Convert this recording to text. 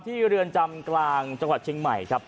ที่เรือนจำกลางจังหวัดเชียงใหม่